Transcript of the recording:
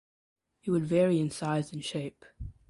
It would vary in size and shape.